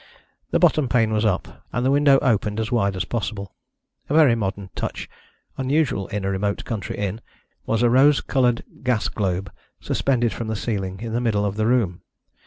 The bottom pane was up, and the window opened as wide as possible. A very modern touch, unusual in a remote country inn, was a rose coloured gas globe suspended from the ceiling, in the middle of the room.